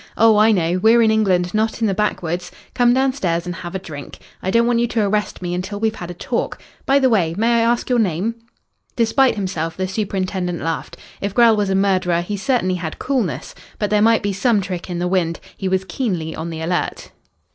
"Oh, I know. We're in England, not in the backwoods. Come downstairs and have a drink. I don't want you to arrest me until we've had a talk. By the way, may I ask your name?" Despite himself the superintendent laughed. If Grell was a murderer he certainly had coolness. But there might be some trick in the wind. He was keenly on the alert.